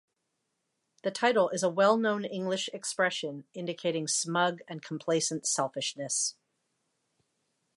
The title is a well-known English expression indicating smug and complacent selfishness.